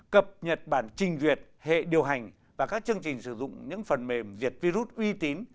cập nhật bản trình duyệt hệ điều hành và các chương trình sử dụng những phần mềm diệt virus uy tín